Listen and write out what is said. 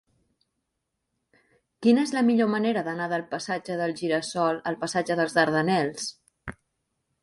Quina és la millor manera d'anar del passatge del Gira-sol al passatge dels Dardanels?